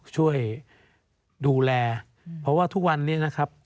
ช่วยดูแลเพราะว่าทุกวันนี้